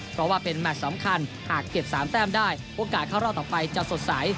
เพราะว่าเป็นแมทสำคัญหากเก็บ๓แต้มได้โอกาสเข้ารอบต่อไปจะสดใส